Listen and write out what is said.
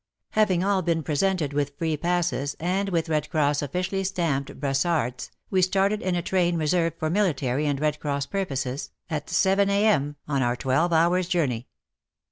Having all been presented with free passes and with Red Cross officially stamped brassardes, we started in a train reserved for military and Red Cross purposes, at 7 a.m., on our twelve hours' journey.